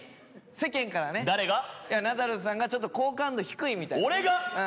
世間からねいやナダルさんがちょっと好感度低いみたいな俺が？